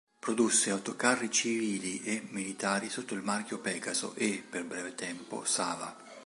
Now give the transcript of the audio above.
Produsse autocarri civili e militari sotto il marchio Pegaso e, per breve tempo, Sava.